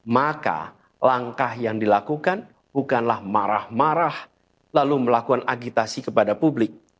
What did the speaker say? maka langkah yang dilakukan bukanlah marah marah lalu melakukan agitasi kepada publik